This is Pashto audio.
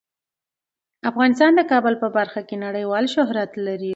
افغانستان د کابل په برخه کې نړیوال شهرت لري.